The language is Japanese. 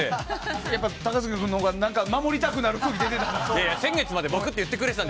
やっぱり、高杉君のほうが守りたくなる空気持ってたんで。